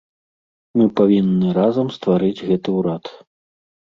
Мы павінны разам стварыць гэты ўрад.